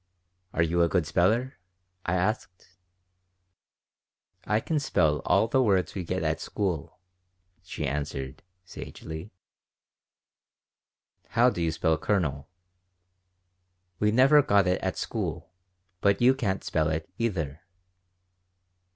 "Are you a good speller?" I asked "I c'n spell all the words we get at school," she answered, sagely "How do you spell 'colonel'?" "We never got it at school. But you can't spell it, either."